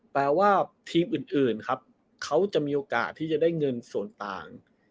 แปลว่าทีมอื่นครับเขาจะมีโอกาสที่จะได้เงินส่วนต่าง